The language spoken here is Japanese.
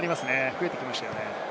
増えてきましたね。